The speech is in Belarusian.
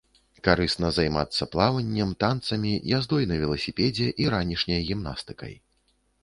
Карысна займацца плаваннем, танцамі, яздой на веласіпедзе і ранішняй гімнастыкай.